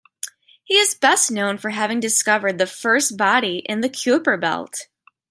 He is best known for having discovered the first body in the Kuiper belt.